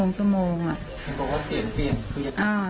มันบอกว่าเสียงเปลี่ยน